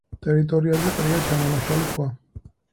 ტერიტორიაზე ყრია ჩამონაშალი ქვა.